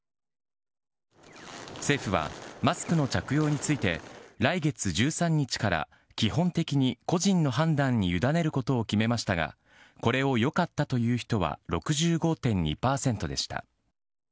政府は、マスクの着用について、来月１３日から基本的に個人の判断に委ねることを決めましたが、これをよかったという人は６５．２％でした。